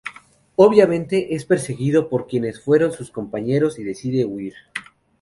Obviamente, es perseguido por quienes fueron sus compañeros y decide huir.